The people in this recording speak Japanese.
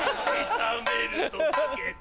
炒めると掛けて。